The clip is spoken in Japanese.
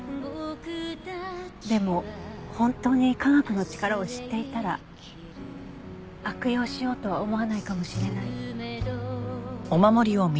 でも本当に科学の力を知っていたら悪用しようとは思わないかもしれない。